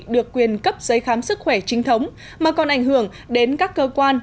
được quyền cấp giấy khám sức khỏe chính thống mà còn ảnh hưởng đến các cơ quan